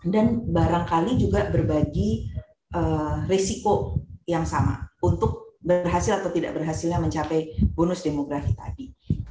dan barangkali juga berbagi risiko yang sama untuk berhasil atau tidak berhasilnya mencapai bonus demografi tadi